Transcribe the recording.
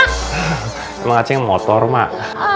hah cuma acing motor mak